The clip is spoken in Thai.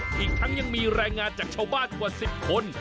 อีกทั้งยังมีแรงงานจากชาวบ้านกว่า๑๐คน